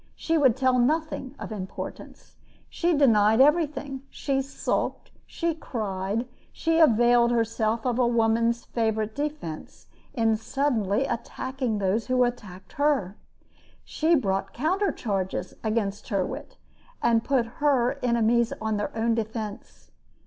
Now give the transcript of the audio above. She would tell nothing of importance. She denied everything. She sulked, she cried, she availed herself of a woman's favorite defense in suddenly attacking those who had attacked her. She brought counter charges against Tyrwhitt, and put her enemies on their own defense.